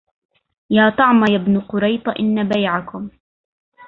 يا طعم يا ابن قريط إن بيعكم